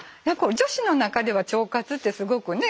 女子の中では腸活ってすごくね。